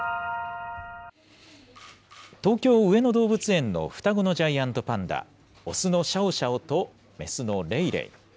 東京・上野動物園の双子のジャイアントパンダ、雄のシャオシャオと、雌のレイレイ。